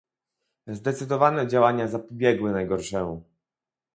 Zdecydowane działania zapobiegły najgorszemu